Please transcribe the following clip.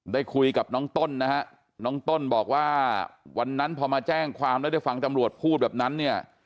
ได้คุยกับน้องต้นนะฮะน้องต้นบอกว่าวันนั้นพอมาแจ้งความแล้วได้ฟังตำรวจพูดแบบนั้นเนี่ย